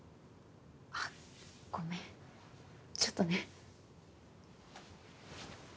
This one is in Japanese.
あっごめんちょっとね。